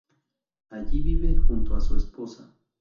Allí vive junto a su esposa.